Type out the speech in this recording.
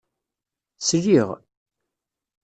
Sliɣ.